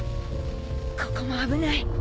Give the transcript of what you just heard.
ここも危ない。